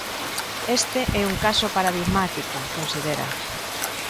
"Este é un caso paradigmático", considera.